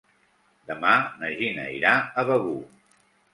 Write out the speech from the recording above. Demà na Gina irà a Begur.